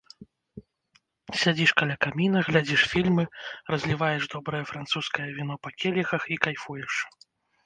Сядзіш каля каміна, глядзіш фільмы, разліваеш добрае французскае віно па келіхах і кайфуеш.